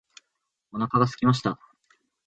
お腹が空きました。